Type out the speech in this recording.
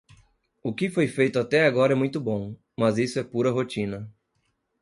O que foi feito até agora é muito bom, mas isso é pura rotina.